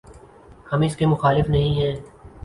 ہم اس کے مخالف نہیں ہیں۔